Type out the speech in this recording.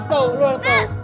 engga engga lo harus tau